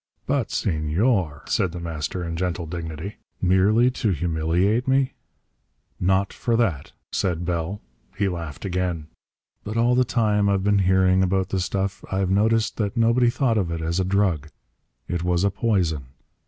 "But Senor," said The Master in gentle dignity, "merely to humiliate me " "Not for that," said Bell. He laughed again. "But all the time I've been hearing about the stuff, I've noticed that nobody thought of it as a drug. It was a poison.